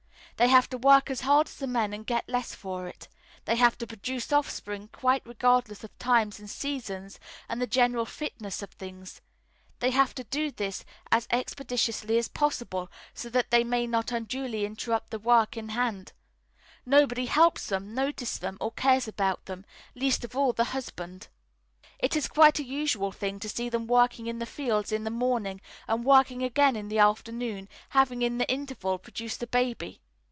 They have to work as hard as the men and get less for it; they have to produce offspring, quite regardless of times and seasons and the general fitness of things; they have to do this as expeditiously as possible, so that they may not unduly interrupt the work in hand; nobody helps them, notices them, or cares about them, least of all the husband. It is quite a usual thing to see them working in the fields in the morning, and working again in the afternoon, having in the interval produced a baby.